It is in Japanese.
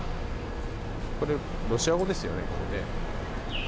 これ、ロシア語ですよね？